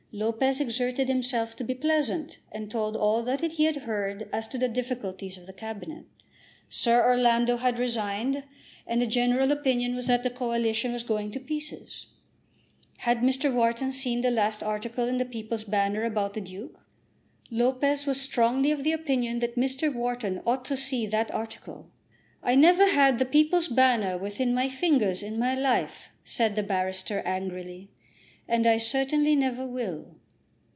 Lopez exerted himself to be pleasant, and told all that he had heard as to the difficulties of the Cabinet. Sir Orlando had resigned, and the general opinion was that the Coalition was going to pieces. Had Mr. Wharton seen the last article in the "People's Banner" about the Duke? Lopez was strongly of the opinion that Mr. Wharton ought to see that article. "I never had the 'People's Banner' within my fingers in my life," said the barrister angrily, "and I certainly never will."